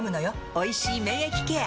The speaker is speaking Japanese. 「おいしい免疫ケア」！